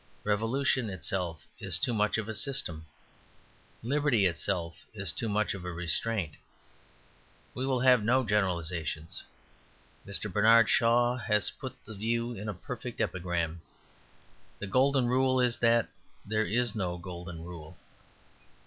Revolution itself is too much of a system; liberty itself is too much of a restraint. We will have no generalizations. Mr. Bernard Shaw has put the view in a perfect epigram: "The golden rule is that there is no golden rule."